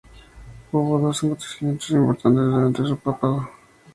Hubo dos acontecimientos importantes durante su papado.